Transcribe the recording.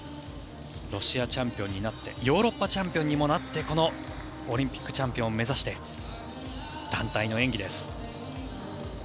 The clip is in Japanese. ロシアチャンピオンになってヨーロッパチャンピオンにもなってこのオリンピックチャンピオンを目指して団体の演技です。